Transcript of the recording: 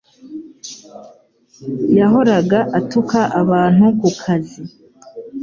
Yahoraga atuka abantu kukazi